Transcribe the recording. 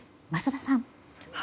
桝田さん。